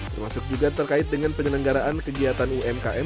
termasuk juga terkait dengan penyelenggaraan kegiatan umkm